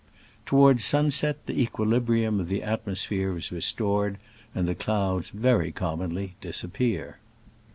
Toward sunset the equi librium of the atmosphere is restored, and the clouds very commonly disap pear.